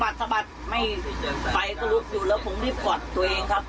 สะบัดไม่ไฟก็ลุกอยู่แล้วผมรีบกอดตัวเองครับ